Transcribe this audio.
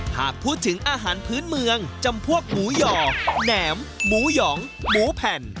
หากพูดถึงอาหารพื้นเมืองจำพวกหมูหย่อแหนมหมูหยองหมูแผ่น